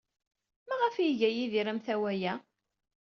Maɣef ay iga Yidir amtawa-a?